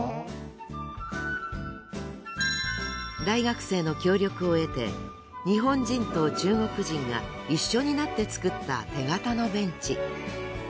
大学生の協力を得て日本人と中国人が一緒になって作った手形のベンチ。